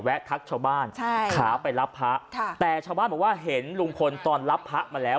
ทักชาวบ้านขาไปรับพระแต่ชาวบ้านบอกว่าเห็นลุงพลตอนรับพระมาแล้ว